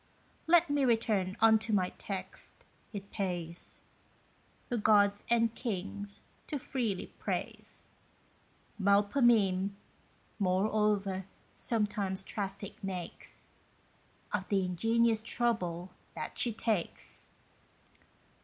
Let me return unto my text: it pays The gods and kings to freely praise; Melpomene, moreover, sometimes traffic makes Of the ingenious trouble that she takes.